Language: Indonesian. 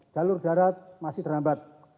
jalur jarat masih terlambat